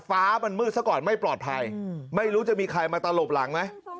ฟ้ามันมืดซะก่อนไม่ปลอดภัยไม่รู้จะมีใครมาตลบหลังไหม